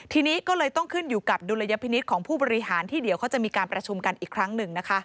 ทีนี้ก็เลยต้องขึ้นอยู่กับดุลยพินิษฐ์ของผู้บริหารที่เดี๋ยวเขาจะมีการประชุมกันอีกครั้งหนึ่งนะคะ